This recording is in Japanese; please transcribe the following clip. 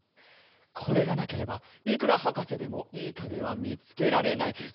これがなければいくらはかせでもいいかげはみつけられない。